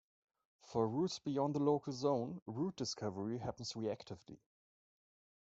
For routes beyond the local zone, route discovery happens reactively.